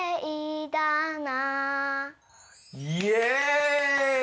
イエイ！